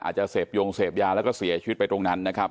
อาจจะเสพยงเสพยาแล้วก็เสียชีวิตไปตรงนั้นนะครับ